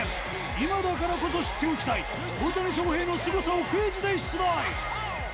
今だからこそ知っておきたい大谷翔平のすごさをクイズで出題